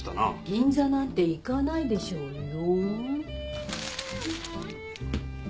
銀座なんて行かないでしょうよ。